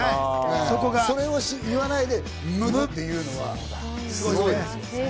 それを言わないで、無っていうのはすごいですよ。